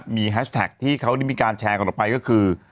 มีแฮชแท็กที่เขาได้มีการแชร์กันออกไปก็คือ